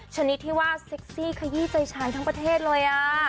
ชนิดที่ว่าเซ็กซี่ขยี้ใจชายทั้งประเทศเลย